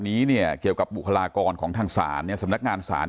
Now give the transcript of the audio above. นี้เนี่ยเกี่ยวกับบุคลากรของทางศาลเนี่ยสำนักงานศาล